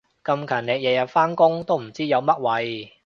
咁勤力日日返工都唔知有乜謂